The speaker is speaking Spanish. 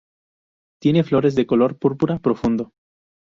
Tiene flores de color púrpura profundo.